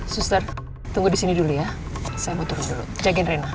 suster tunggu disini dulu ya saya mau turun dulu jagain rena